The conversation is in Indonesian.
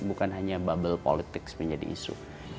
bukan hanya bubble politics menjadi isu